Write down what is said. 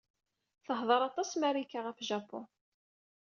Tehḍeṛ aṭas Marika ɣef Japun?